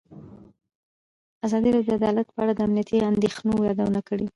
ازادي راډیو د عدالت په اړه د امنیتي اندېښنو یادونه کړې.